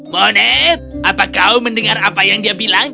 moned apa kau mendengar apa apa